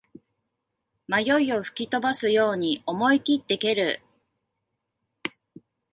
迷いを吹き飛ばすように思いきって蹴る